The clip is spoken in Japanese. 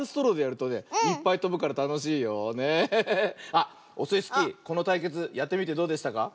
あっオスイスキーこのたいけつやってみてどうでしたか？